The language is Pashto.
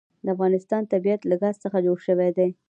د افغانستان طبیعت له ګاز څخه جوړ شوی دی.